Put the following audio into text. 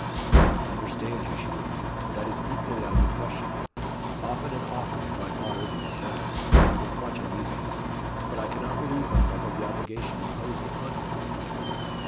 "I understand you," she replied; "but that is equally out of the question. Often and often have I thought over this matter, and with much uneasiness; but I cannot relieve myself of the obligation imposed upon me."